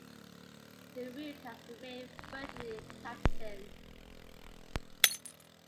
The route has remained virtually intact since.